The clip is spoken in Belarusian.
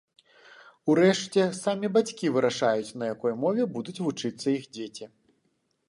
Урэшце, самі бацькі вырашаюць, на якой мове будуць вучыцца іх дзеці.